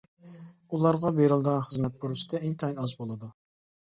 ئۇلارغا بېرىلىدىغان خىزمەت پۇرسىتى ئىنتايىن ئاز بولىدۇ.